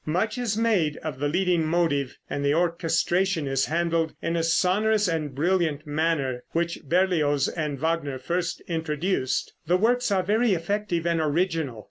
Much is made of the leading motive, and the orchestration is handled in a sonorous and brilliant manner, which Berlioz and Wagner first introduced. The works are very effective and original.